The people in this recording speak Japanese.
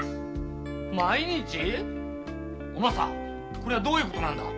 これはどういう事なんだ？